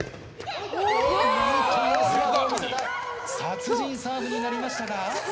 殺人サーブになりましたが。